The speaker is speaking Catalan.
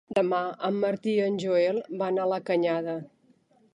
Demà en Martí i en Joel van a la Canyada.